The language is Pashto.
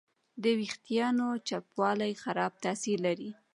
د وېښتیانو چپوالی خراب تاثیر لري.